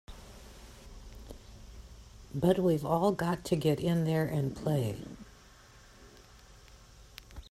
But we've all got to get in there and play!